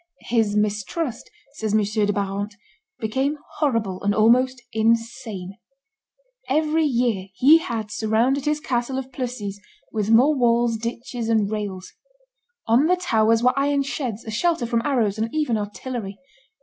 "His mistrust," says M. de Barante, "became horrible, and almost insane; every year he had surrounded his castle of Plessis with more walls, ditches, and rails. On the towers were iron sheds, a shelter from arrows, and even artillery.